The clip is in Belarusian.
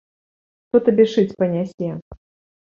Хто табе шыць панясе?